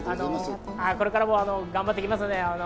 これからも頑張っていきますので。